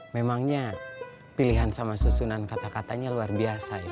memangnya pilihan sama susunan kata katanya luar biasa ya